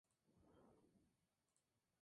A orillas del río Linares.